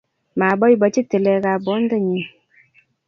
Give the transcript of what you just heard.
maboibochi tilekab bontenyi